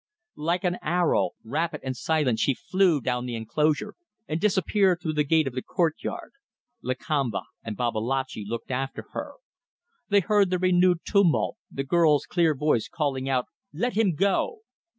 Like an arrow, rapid and silent she flew down the enclosure, and disappeared through the gate of the courtyard. Lakamba and Babalatchi looked after her. They heard the renewed tumult, the girl's clear voice calling out, "Let him go!"